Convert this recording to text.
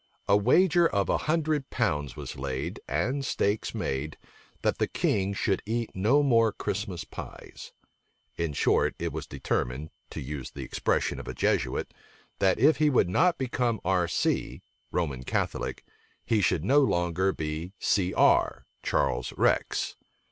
A wager of a hundred pounds was laid, and stakes made, that the king should eat no more Christmas pies. In short, it was determined, to use the expression of a Jesuit, that if he would not become R. C., (Roman Catholic,) he should no longer be C. R., (Charles Rex.)